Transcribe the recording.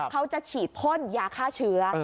เขาจะฉีดพ่นยาฆ่าเชื้อ